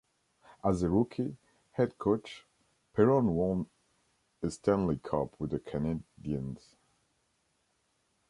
As a rookie, head coach, Perron won a Stanley Cup with the Canadiens.